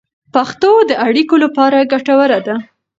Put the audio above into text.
پښتو د اړیکو لپاره ګټوره ده.